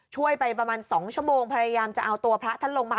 ช่วยไปประมาณ๒ชั่วโมงพยายามจะเอาตัวพระท่านลงมา